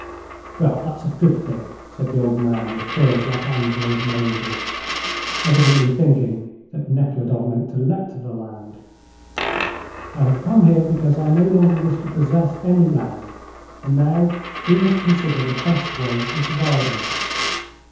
"Well, that's a good thing," said the old man, with curls like Angelo's "Moses," evidently thinking that Nekhludoff meant to let the land. "I have come here because I no longer wish to possess any land, and now we must consider the best way of dividing it."